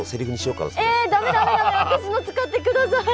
私の使ってください！